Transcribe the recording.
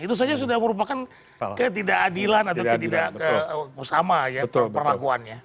itu saja sudah merupakan ketidakadilan atau ketidaksama ya perlakuannya